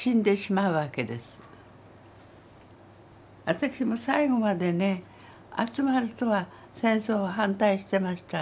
私も最後までね集まると戦争反対してました。